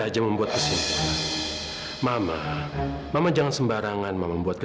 sampai jumpa di video selanjutnya